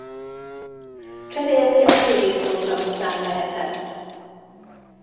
Cserélni a rövid program után lehetett.